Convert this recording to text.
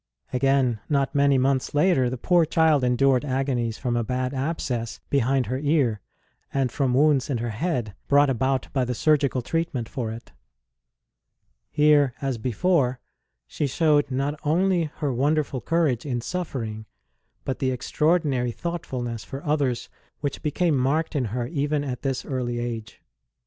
Again, not many months later, the poor child endured agonies from a bad abscess behind her ear, and from wounds in her head brought about by the surgical treatment for it. Here, as before, she showed not only her wonderful courage in suffering, but the extraordinary thoughtfulness for others which became marked in her even at this early age.